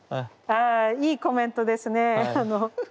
あいいコメントですね。